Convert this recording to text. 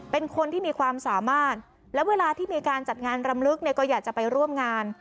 เป็นคนที่มีความสามารถและเวลาที่มีการจัดงานรำลึกเนี่ยก็อยากจะไปร่วมงาน